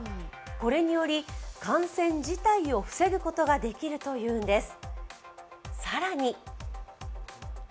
これにより感染自体を防ぐことができるというんです。